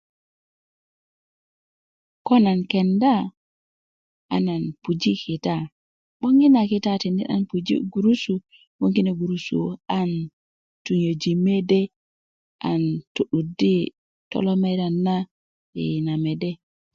ko nan kenda a nan puji kita 'boŋ i nan kitá tidi nan puji gurusu 'boŋ kine guruso an tunyäji mede an todudi tolemerian na i na mede